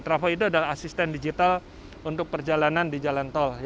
travel itu adalah asisten digital untuk perjalanan di jalan tol